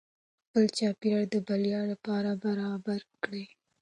خپل چاپیریال د بریا لپاره برابر کړئ.